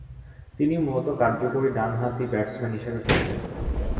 তিনি মূলতঃ কার্যকরী ডানহাতি ব্যাটসম্যান হিসেবে খেলতেন।